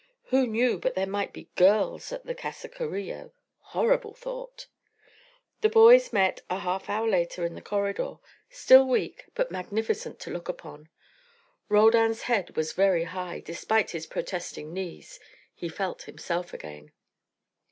Who knew but there might be girls at the Casa Carillo? Horrible thought! The boys met a half hour later on the corridor, still weak, but magnificent to look upon. Roldan's head was very high, despite his protesting knees: he felt himself again.